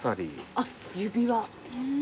あっ指輪。